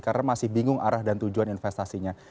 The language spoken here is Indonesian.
karena masih bingung arah dan tujuan investasinya